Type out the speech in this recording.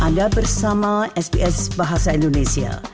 anda bersama sbs bahasa indonesia